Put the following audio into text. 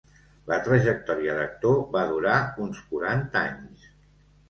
La trajectòria d'actor va durar uns quaranta anys.